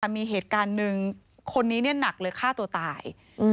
มีเหตุการณ์หนึ่งคนนี้หนักเลยฆ่าตัวตาย